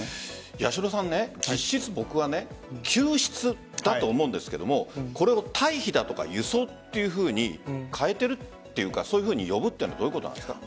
八代さん、実質、僕は救出だと思うんですがこれを退避とか輸送というふうに変えているというかそう呼ぶというのはどういうことですか？